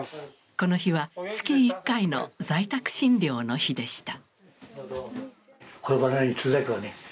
この日は月１回の在宅診療の日でした。